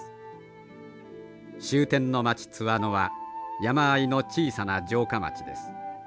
終点の町津和野は山あいの小さな城下町です。